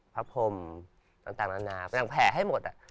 พระพรหมต่างนานาแผ่ให้หมดอ่ะ